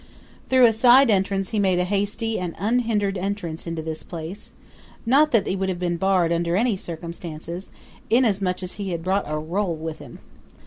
Through a side entrance he made a hasty and unhindered entrance into this place not that he would have been barred under any circumstances, inasmuch as he had brought a roll with him.